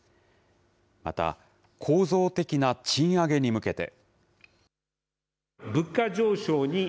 また、構造的な賃上げに向けて。